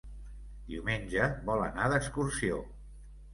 Diumenge vol anar d'excursió.